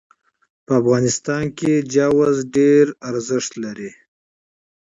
په افغانستان کې چار مغز ډېر اهمیت لري.